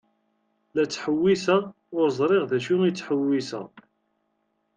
La ttḥewwiseɣ ur ẓriɣ d acu i ttḥewwiseɣ.